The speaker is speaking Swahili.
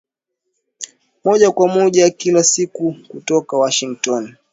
moja kwa moja kila siku kutoka Washington